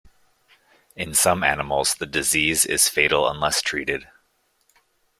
In some animals the disease is fatal unless treated.